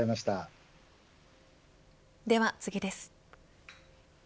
では次です。